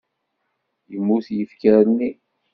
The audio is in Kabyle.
Yemmut yifker-nni.